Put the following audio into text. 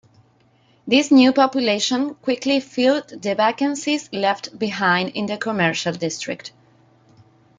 This new population quickly filled the vacancies left behind in the commercial district.